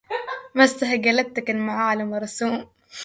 ما استجهلتك معالم ورسوم